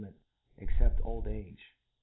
cnit except old age, •